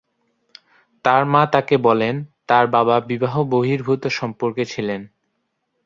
তাঁর মা তাকে বলেন তাঁর বাবা বিবাহ-বহির্ভূত সম্পর্কে ছিলেন।